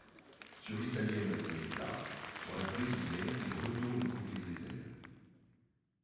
Sur l'italienne, il est plat, sur la brésilienne il retourne couvrir les ailes.